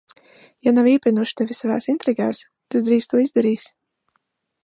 Ja nav iepinuši tevi savās intrigās, tad drīz to izdarīs.